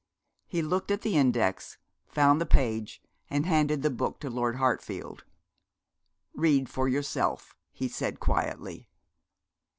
He looked at the index, found the page, and handed the book to Lord Hartfield. 'Read for yourself,' he said, quietly.